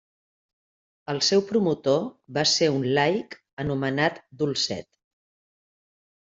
El seu promotor va ser un laic anomenat Dolcet.